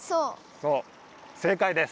そう正解です！